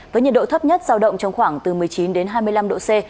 với nhiệt độ thấp nhất giao động trong khoảng một mươi chín hai mươi năm độ c